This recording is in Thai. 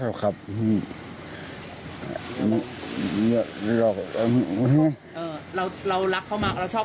รักหรือยังไงครับไม่รักหรอกครับเรารักเขามาเราชอบ